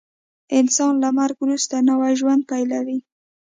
انسان له مرګ وروسته نوی ژوند پیلوي